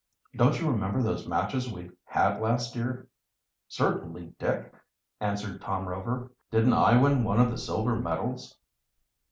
"Don't you remember those matches we had last year?" "Certainly, Dick," answered Tom Rover. "Didn't I win one of the silver medals?"